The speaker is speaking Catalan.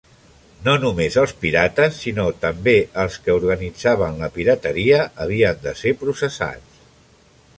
No només els pirates, sinó també els que organitzaven la pirateria havien de ser processats.